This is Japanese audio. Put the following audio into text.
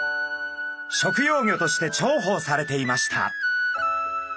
食用魚として重宝されていました。